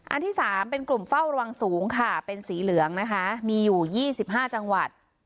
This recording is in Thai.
ที่๓เป็นกลุ่มเฝ้าระวังสูงค่ะเป็นสีเหลืองนะคะมีอยู่๒๕จังหวัด